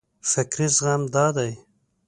فکري زغم دا دی.